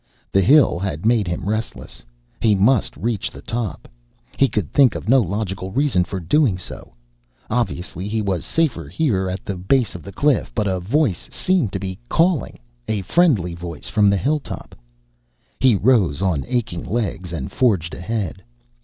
The hill had made him restless. He must reach the top. He could think of no logical reason for doing so. Obviously he was safer here at the base of the cliff, but a voice seemed to be calling, a friendly voice from the hilltop. He rose on aching legs and forged ahead.